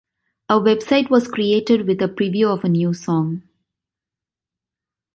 A website was created with a preview of a new song.